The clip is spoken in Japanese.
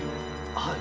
はい。